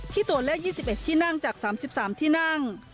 ตัวเลข๒๑ที่นั่งจาก๓๓ที่นั่ง